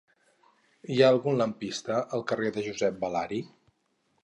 Hi ha algun lampista al carrer de Josep Balari?